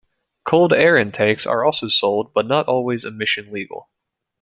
Cold air intakes are also sold but not always emission legal.